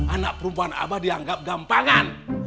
anak perempuan abah dianggap gampangan